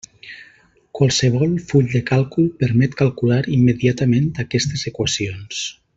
Qualsevol full de càlcul permet calcular immediatament aquestes equacions.